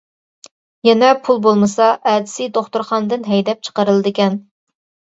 يەنە پۇل بولمىسا ئەتىسى دوختۇرخانىدىن ھەيدەپ چىقىرىلىدىكەن.